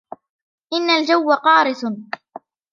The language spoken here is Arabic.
إن الجو قارس.